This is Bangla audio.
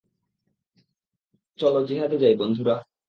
চলো জিহাদে যাই বন্ধুরা।